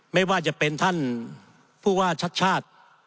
ไม่ว่าจะเป็นท่านผู้ว่าชัดชาติ